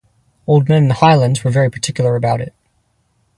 Old men in the Highlands were very particular about it.